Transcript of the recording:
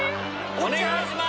お願いします。